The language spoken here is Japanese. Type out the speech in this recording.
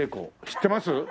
知ってます？